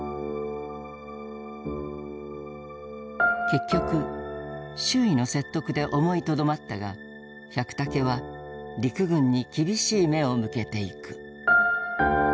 結局周囲の説得で思いとどまったが百武は陸軍に厳しい目を向けていく。